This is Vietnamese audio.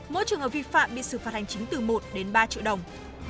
mỗi trường hợp vi phạm bị xử phạt hành chính từ một đến ba triệu đồng